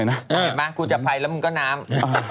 เห็นไหมกูจะไปแล้วมึงก็น้ำ